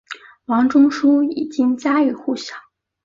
王仲殊已经家喻户晓。